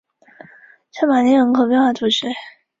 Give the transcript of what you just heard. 赴岳州托庇于湖南军阀赵恒惕。